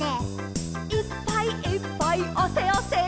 「いっぱいいっぱいあせあせ」